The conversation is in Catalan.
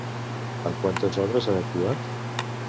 En quantes obres ha actuat?